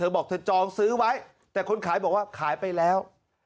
บอกเธอจองซื้อไว้แต่คนขายบอกว่าขายไปแล้ว